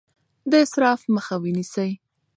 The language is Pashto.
د اسراف مخه ونیسئ.